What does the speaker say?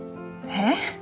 えっ？